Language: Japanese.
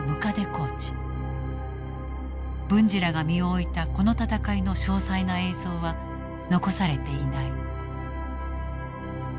文次らが身を置いたこの戦いの詳細な映像は残されていない。